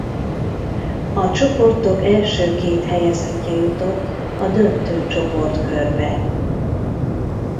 A csoportok első két helyezettje jutott a döntő csoportkörbe.